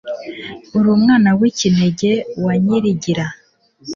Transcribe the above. uri umwana w'ikinege, wa nyirigira